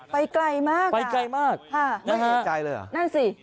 ไปไกลมากน่ะในหายใจเลยอ่ะ